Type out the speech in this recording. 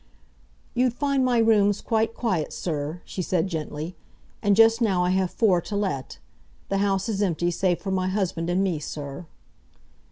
"You'd find my rooms quite quiet, sir," she said gently. "And just now I have four to let. The house is empty, save for my husband and me, sir."